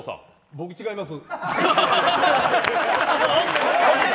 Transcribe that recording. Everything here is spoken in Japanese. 僕、違います。